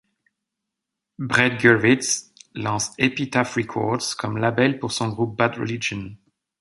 Brett Gurewitz lance Epitaph Records comme label pour son groupe Bad Religion.